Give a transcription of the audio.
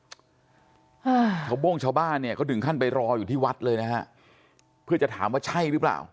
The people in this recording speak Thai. อ่าชาวโบ้งชาวบ้านเนี่ยเขาถึงขั้นไปรออยู่ที่วัดเลยนะฮะเพื่อจะถามว่าใช่หรือเปล่า